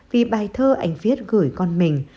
vì bài thơ anh viết gửi con mình